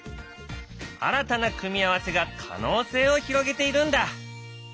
新たな組み合わせが可能性を広げているんだ。